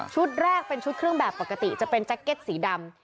แรกเป็นชุดเครื่องแบบปกติจะเป็นแจ็คเก็ตสีดำ